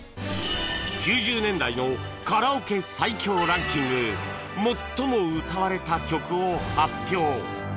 ９０年代のカラオケ最強ランキング最も歌われた曲を発表